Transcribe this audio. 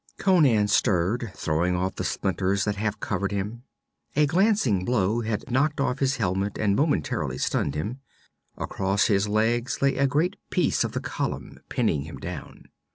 Conan stirred, throwing off the splinters that half covered him. A glancing blow had knocked off his helmet and momentarily stunned him. Across his legs lay a great piece of the column, pinning him down.